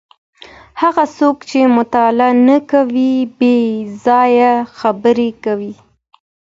هغه څوک چي مطالعه نه کوي بې ځایه خبري کوي.